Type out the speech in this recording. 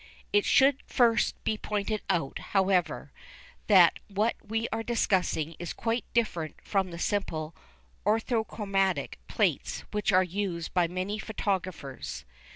It should first be pointed out, however, that what we are discussing is quite different from the simple "orthochromatic" plates which are used by many photographers.